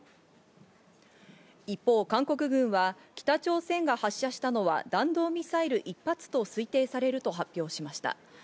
一方、韓国軍は北朝鮮が発射したのは弾道ミサイル１発と推定されると発表しました。